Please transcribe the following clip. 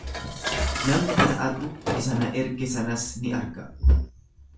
Namni ana argu isa na erge sanas ni arga.